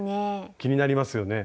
気になりますよね